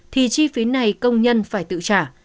thì chi phí này công nhân phải tự trả